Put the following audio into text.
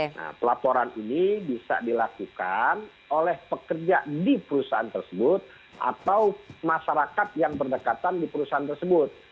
nah pelaporan ini bisa dilakukan oleh pekerja di perusahaan tersebut atau masyarakat yang berdekatan di perusahaan tersebut